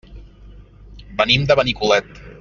Venim de Benicolet.